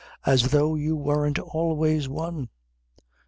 "As though you weren't always one."